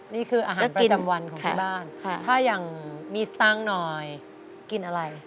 นี่คืออาหารประจำวันของบ้านถ้าอย่างมีสังหน่อยกินอะไร